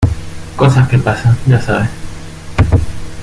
Cosas que pasan, ya sabes.